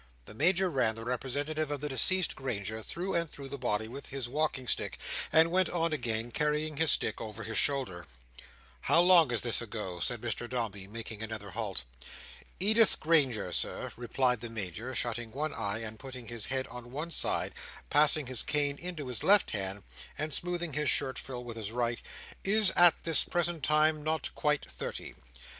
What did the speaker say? The Major ran the representative of the deceased Granger through and through the body with his walking stick, and went on again, carrying his stick over his shoulder. "How long is this ago?" asked Mr Dombey, making another halt. "Edith Granger, Sir," replied the Major, shutting one eye, putting his head on one side, passing his cane into his left hand, and smoothing his shirt frill with his right, "is, at this present time, not quite thirty.